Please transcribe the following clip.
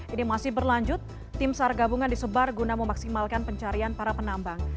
ini masih berlanjut tim sar gabungan disebar guna memaksimalkan pencarian para penambang